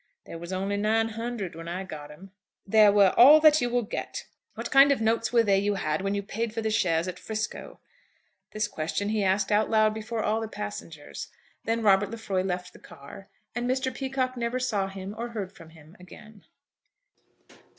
"There was only nine hundred when I got 'em." "There were all that you will get. What kind of notes were they you had when you paid for the shares at 'Frisco?" This question he asked out loud, before all the passengers. Then Robert Lefroy left the car, and Mr. Peacocke never saw him or heard from him again.